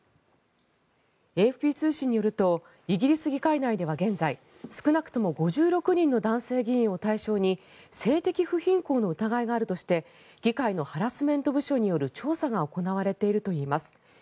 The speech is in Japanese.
ＡＦＰ通信によるとイギリス議会内では現在少なくとも５６人の男性議員を対象に性的不品行の疑いがあるとして議会のハラスメント部署による調査が行われているといいます。